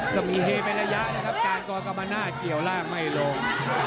ก็มีเฮเป็นระยะนะครับก่อนก็มาหน้าเกี่ยวร่างไม่ลง